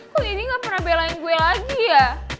kok ini gak pernah belain gue lagi ya